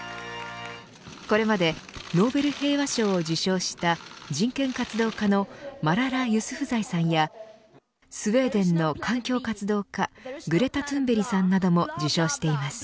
これまでノーベル平和賞を受賞した人権活動家のマララ・ユスフザイさんやスウェーデンの環境活動家グレタ・トゥンベリさんなども受賞しています。